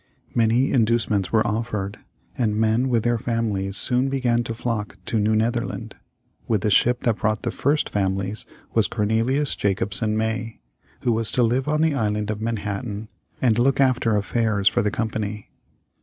Many inducements were offered, and men with their families soon began to flock to New Netherland. With the ship that brought the first families was Cornelius Jacobsen May, who was to live on the Island of Manhattan and look after affairs for the Company.